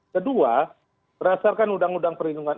kedua berdasarkan uudp